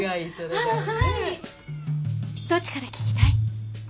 どっちから聞きたい？